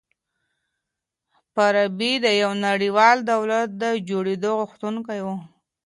فارابي د يوه نړيوال دولت د جوړېدو غوښتونکی و.